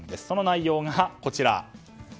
その内容がこちら。